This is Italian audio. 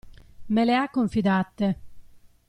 Me le ha confidate.